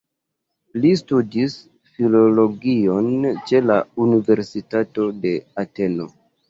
Li studis filologion ĉe la Universitato de Ateno.